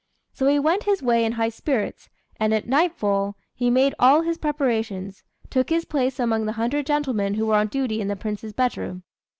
So he went his way in high spirits, and at nightfall, having made all his preparations, took his place among the hundred gentlemen who were on duty in the prince's bed room.